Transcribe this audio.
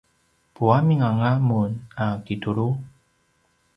puamin anga mun a kitulu?